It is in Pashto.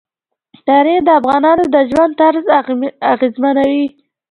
تاریخ د افغانانو د ژوند طرز اغېزمنوي.